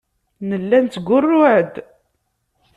Nella nettgurruɛ-d.